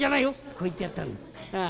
こう言ってやったんだ。